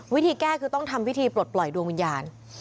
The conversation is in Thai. วิธีแก้คือต้องทำพิธีปลดปล่อยดวงวิญญาณ